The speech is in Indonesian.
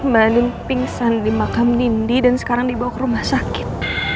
mandi pingsan di makam nindi dan sekarang dibawa ke rumah sakit